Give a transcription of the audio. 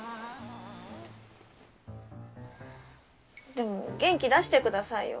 でも元気出してくださいよ。